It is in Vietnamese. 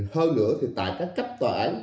hơn nữa thì tại các cấp tòa án